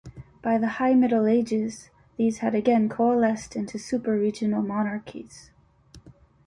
By the High Middle Ages, these had again coalesced into super-regional monarchies.